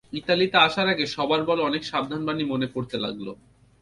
ইতালিতে আসার আগে সবার বলা অনেক সাবধান বাণী মনে পড়তে লাগল।